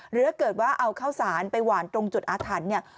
หรือถ้าเกิดว่าเอาข้าวสารไปหวานตรงจุดอาถรรพ์เนี่ย